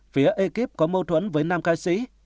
phía ekip có mâu thuẫn với nam ca sĩ